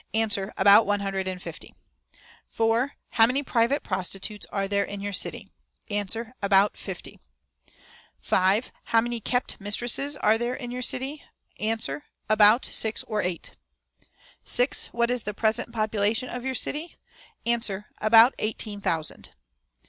"Answer. About one hundred and fifty. "4. How many private prostitutes are there in your city? "Answer. About fifty. "5. How many kept mistresses are there in your city? "Answer. About six or eight. "6. What is the present population of your city? "Answer. About eighteen thousand.